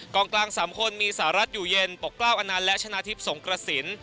กองกลาง๓คนมีสารัสอยู่เย็นปกเกล้าอนานและชนะทิพย์สงครสิน